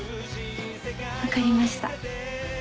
分かりました。